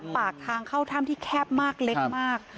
ปากทางเข้าถ้ำที่แคบมากเล็กมาก